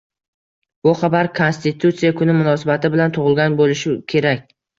Bu xabar Konstitutsiya kuni munosabati bilan tug'ilgan bo'lishi kerak